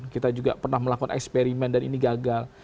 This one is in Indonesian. kita juga pernah melakukan eksperimen dan ini gagal